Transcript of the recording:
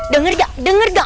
dengar gak dengar gak